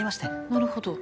なるほど。